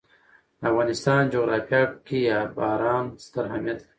د افغانستان جغرافیه کې باران ستر اهمیت لري.